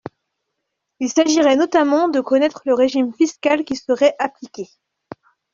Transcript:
Il s’agissait notamment de connaître le régime fiscal qui serait appliqué.